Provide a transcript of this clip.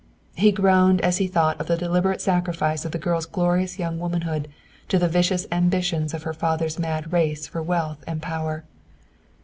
He groaned as he thought of the deliberate sacrifice of the girl's glorious young womanhood to the vicious ambitions of her father's mad race for wealth and power.